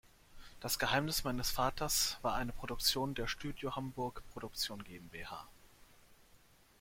Das Geheimnis meines Vaters war eine Produktion der "Studio Hamburg Produktion GmbH".